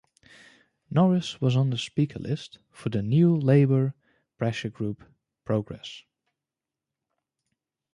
Norris was on the speaker list for the New Labour pressure group Progress.